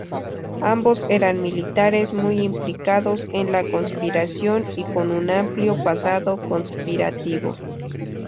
Ambos eran militares muy implicados en la conspiración y con un amplio pasado conspirativo.